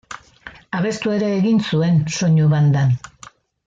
Abestu ere egin zuen soinu bandan.